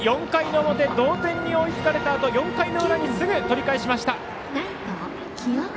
４回の表同点に追いつかれたあと４回の裏にすぐ取り返しました。